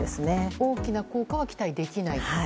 大きな効果は期待できないと。